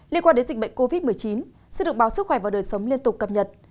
liên quan đến dịch bệnh covid một mươi chín sẽ được báo sức khỏe và đời sống liên tục cập nhật